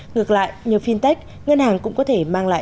ngược lại nhờ fintech ngân hàng cũng có thể mang lại